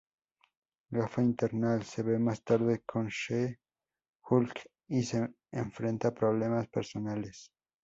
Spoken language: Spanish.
Gata Infernal se ve más tarde con She-Hulk y enfrenta problemas personales.